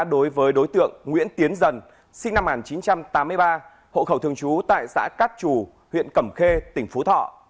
đối với đối tượng nguyễn tiến dần sinh năm một nghìn chín trăm tám mươi ba hộ khẩu thường trú tại xã cát trù huyện cẩm khê tỉnh phú thọ